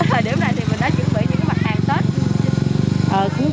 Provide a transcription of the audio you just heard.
thời điểm này thì mình đã chuẩn bị những mặt hàng tết